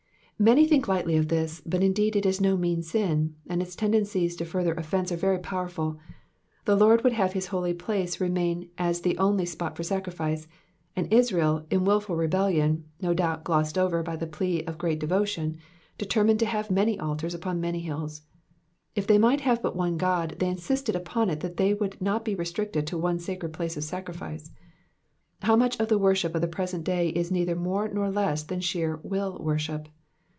Many think lightly of this, but indeed it is no mean sin ; and its tendencies to further offence are very yjowerful. The Lord would have his holy place remain as the only spot for sacrifice ; and Israel, in wilful rebellion, (no doubt glossed over by the plea of great devotion,) determined to have many altars upon many hills. If they might have but one God, they insisted upon it that they would not bo restricted to one sacred place of sacrifice. How much of the worship of the present day is neither more nor less than sheer will worship